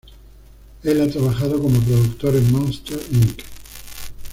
Él ha trabajado como productor en Monsters, Inc.